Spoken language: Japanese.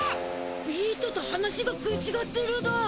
ビートと話が食いちがってるだ。